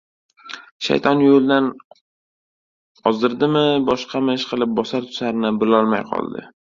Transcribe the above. Shayton yoldan ozdirdimi, boshqami, ishqilib, bosar-tusarini bilolmay qoldi.